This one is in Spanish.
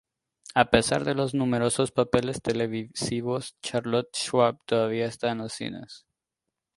A pesar de los numerosos papeles televisivos, Charlotte Schwab todavía está en los cines.